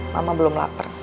mama belum lapar